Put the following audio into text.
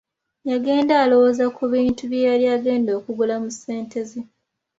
Yagenda alowooza ku bintu bye yali agenda okugula mu ssente ze.